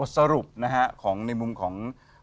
สรุปนะฮะของในมุมของ